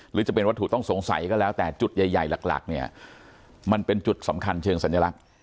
หรือจะเป็นวัตถุต้องสงสัยก็แล้วแต่จุดใหญ่หลักเนี่ยมันเป็นจุดสำคัญเชิงสัญลักษณ์